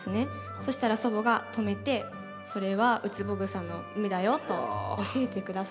そしたら祖母が止めてそれはウツボグサの芽だよと教えてくださったんですね。